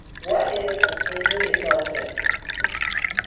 What is a Plenary Indulgence?